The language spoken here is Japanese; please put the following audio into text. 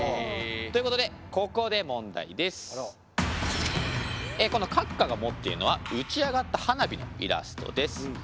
ということでこの閣下が持っているのは打ち上がった花火のイラストです。